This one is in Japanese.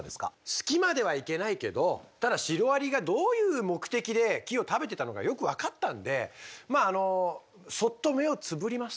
好きまではいけないけどただシロアリがどういう目的で木を食べてたのかよく分かったんでまああのそっと目をつぶります。